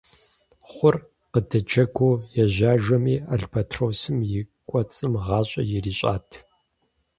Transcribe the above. Хъур къыдэджэгуу ежьэжами, албатросым и кӀуэцӀым гъащӀэ ирищӀат.